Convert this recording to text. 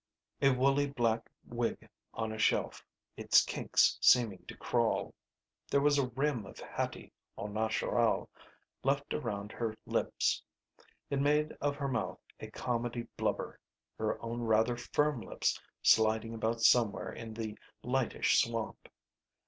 A woolly black wig on a shelf, its kinks seeming to crawl. There was a rim of Hattie au natural left around her lips. It made of her mouth a comedy blubber, her own rather firm lips sliding about somewhere in the lightish swamp.